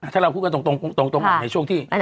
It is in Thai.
ถ้าเราพูดกันตรงในช่วงที่